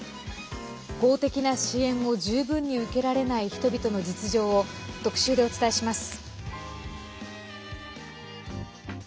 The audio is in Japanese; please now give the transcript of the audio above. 公的な支援を十分に受けられない人々の実情を特集でお伝えします。